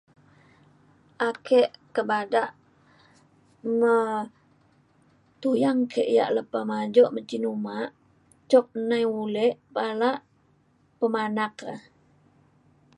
ake ka bada me tuyang ke ia' lepa majok me cin uma cuk nai mulek bara pemanak le